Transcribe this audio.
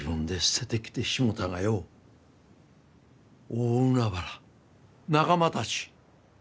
大海原仲間たち！